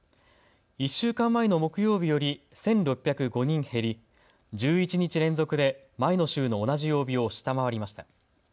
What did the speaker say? １週間前の木曜日より１６０５人減り、１１日連続で前の週の同じ曜日を下回りました。